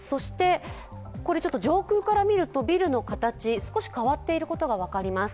上空から見ると、ビルの形、少し変わっていることが分かります。